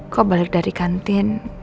kok balik dari kantin